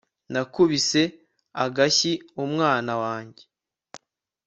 nakubise agashyi umwana wanjye